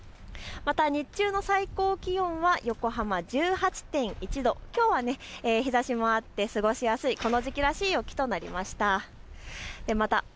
また日中の最高気温は横浜１８．１度、きょうは日ざしもあって過ごしやすい、この時期らしい陽気となりました。